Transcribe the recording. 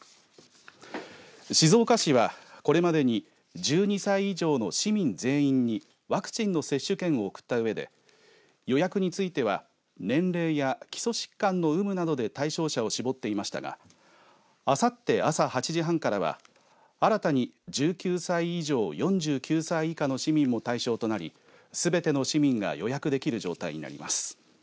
静岡市は、これまでに１２歳以上の市民全員にワクチンの接種券を送ったうえで予約については年齢や基礎疾患の有無などで対象者を絞っていましたがあさって朝８時半からは新たに１９歳以上４９歳以下も対象となりすべての市民が予約できる状態になります。